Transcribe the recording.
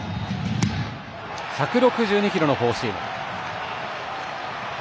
１６２キロのフォーシーム。